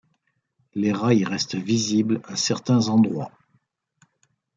Les rails restent visibles à certains endroits.